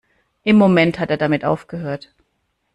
Im Moment hat er damit aufgehört!